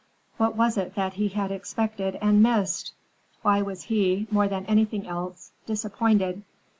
What was it that he had expected and missed? Why was he, more than he was anything else, disappointed?